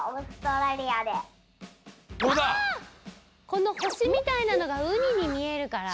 このほしみたいなのがウニにみえるから？